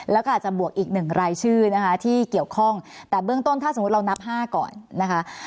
แล้วก็อาจจะบวกอีกหนึ่งรายชื่อนะคะที่เกี่ยวข้องแต่เบื้องต้นถ้าสมมุติเรานับ๕ก่อนนะคะ